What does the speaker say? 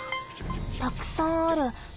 たくさんある。